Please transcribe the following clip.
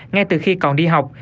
ngay từ khi còn đi học